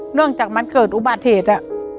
เนื่องจากมันเกิดอุบัติเหตุ